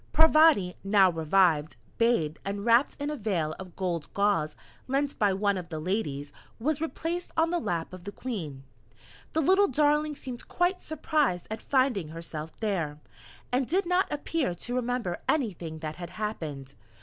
Parvati, now revived, bathed, and wrapped in a veil of gold gauze lent by one of the Ladies, was replaced on the lap of the Queen. The little darling seemed quite surprised at finding herself there, and did not appear to remember anything that had happened.